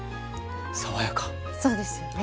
そうですよね。